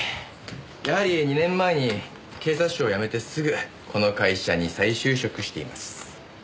やはり２年前に警察庁を辞めてすぐこの会社に再就職しています。